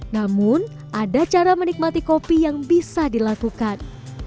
namun ada cara menikmati kopi yang bisa dilakukan